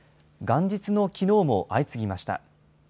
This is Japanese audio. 元日のきのうも相次ぎました。